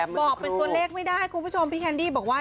บอกเป็นส่วนเลขไม่ได้แคร์นดีบอกว่า